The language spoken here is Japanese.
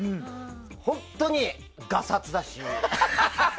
本当に、がさつだし。